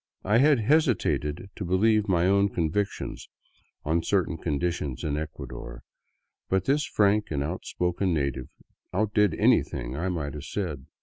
I had hesitated to believe my own convictions on certain conditions in Ecuador, but this frank and outspoken native outdid anything I might have said.